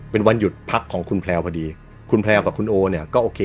เป็นวันหยุดพักของคุณแพลวพอดีคุณแพลวกับคุณโอเนี่ยก็โอเค